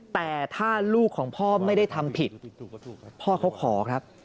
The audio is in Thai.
แต่ถ้าลูกของพ่อไม่ได้ทำผิดพ่อเขาขอครับ